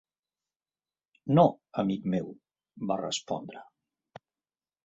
"No, amic meu", va respondre.